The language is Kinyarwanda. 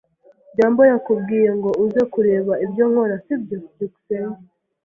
byambo yakubwiye ngo uze kureba ibyo nkora, sibyo? byukusenge